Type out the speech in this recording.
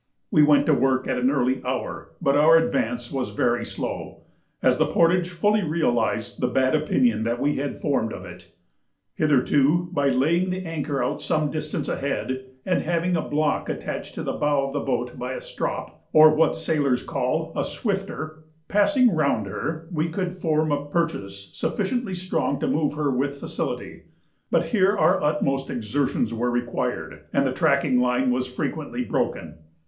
We went to work at an early hour, but our advance was very slow, as the portage fully realised the bad opinion that we had formed of it. Hitherto, by laying the anchor out some distance ahead, and having a block attached to the bow of the boat by a strop, or what sailors call a swifter, passing round her, we could form a purchase sufficiently strong to move her with facility, but here our utmost exertions were required, and the tracking line was frequently broken.